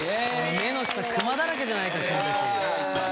目の下クマだらけじゃないか君たち。